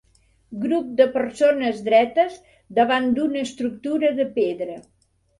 Grup de persones dretes davant d'una estructura de pedra.